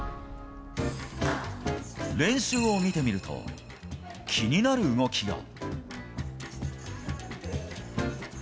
練習を見てみると、気になる動きが。